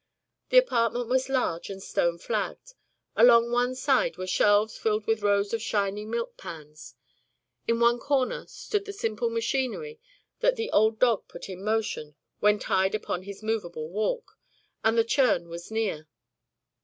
The apartment was large and stone flagged. Along one side were shelves filled with rows of shining milk pans. In one corner stood the simple machinery which the old dog put in motion when tied upon his movable walk, and the churn was near.